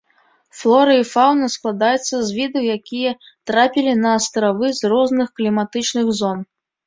Флора і фаўна складаецца з відаў, якія трапілі на астравы з розных кліматычных зон.